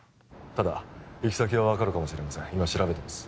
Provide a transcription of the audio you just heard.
ただ行き先は分かるかもしれません今調べてます